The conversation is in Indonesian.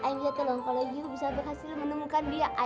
i minta tolong kalau you bisa berhasil menemukan dia